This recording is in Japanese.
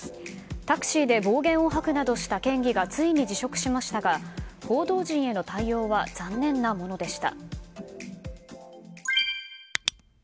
タクシーで暴言を吐くなどした県議がついに辞職しましたが報道陣への対応は残念なものでした。